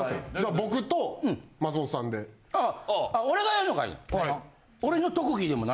俺がやんのかいな。